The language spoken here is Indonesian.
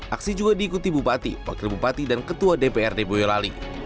aksi juga diikuti bupati wakil bupati dan ketua dprd boyolali